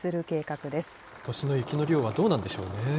ことしの雪の量はどうなんでしょうね。